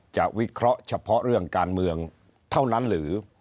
วิเคราะห์เฉพาะเรื่องการเมืองเท่านั้นหรือ